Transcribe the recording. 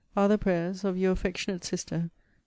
are the prayers of Your affectionate sister, CL.